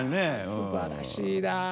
すばらしいな。